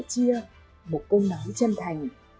chia một câu nói chân thành